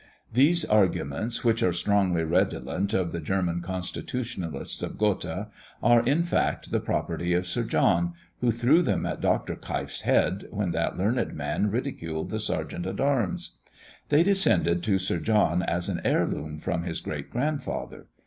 These arguments, which are strongly redolent of the German constitutionalists of Gotha, are in fact the property of Sir John, who threw them at Dr. Keif's head, when that learned man ridiculed the sergeant at arms. They descended to Sir John as an heir loom from his great grandfather.